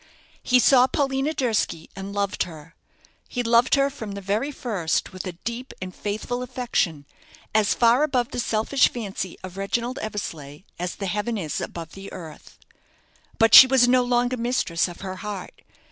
He saw Paulina Durski, and loved her. He loved her from the very first with a deep and faithful affection, as far above the selfish fancy of Reginald Eversleigh as the heaven is above the earth. But she was no longer mistress of her heart.